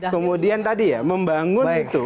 kemudian tadi ya membangun itu